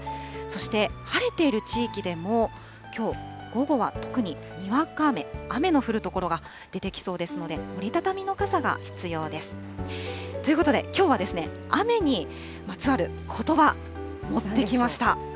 そして晴れている地域でも、きょう午後は特ににわか雨、雨の降る所が出てきそうですので、折り畳みの傘が必要です。ということで、きょうはですね、雨にまつわることば、持ってきました。